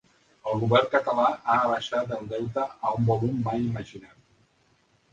El govern català ha abaixat el deute a un volum mai imaginat.